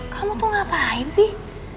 kamu tuh ngapain sih